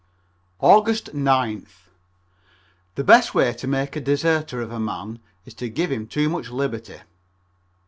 Aug. 9th. The best way to make a deserter of a man is to give him too much liberty.